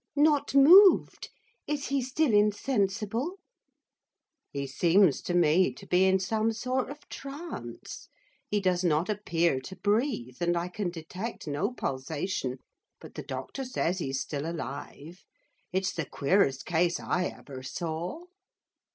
'Not moved? Is he still insensible?' 'He seems to me to be in some sort of trance. He does not appear to breathe, and I can detect no pulsation, but the doctor says he's still alive, it's the queerest case I ever saw.